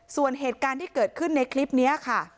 ส่วนเหตุการณ์ที่เกิดขึ้นในคลิปนี้ค่ะ